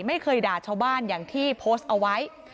ไม่เคยด่าชาวบ้านอย่างที่โพสต์เอาไว้